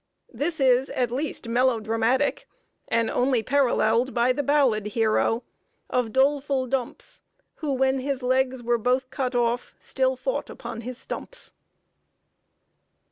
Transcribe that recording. This is, at least, melo dramatic, and only paralleled by the ballad hero "Of doleful dumps, Who, when his legs were both cut off, Still fought upon his stumps."